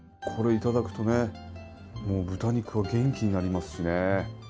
これいただくとね豚肉は元気になりますしね。